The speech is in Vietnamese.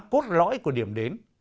cốt lõi của điểm đến